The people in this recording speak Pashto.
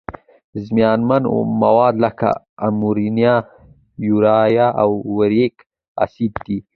زیانمن مواد لکه امونیا، یوریا او یوریک اسید دي.